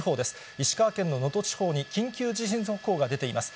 石川県の能登地方に、緊急地震速報が出ています。